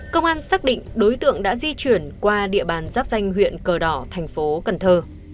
công an xác định đối tượng đã di chuyển qua địa bàn giáp danh huyện cờ đỏ thành phố cần thơ